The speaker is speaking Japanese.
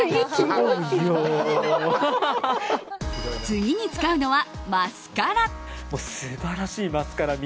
次に使うのはマスカラ。